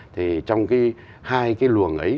thì trong cái hai cái luồng ấy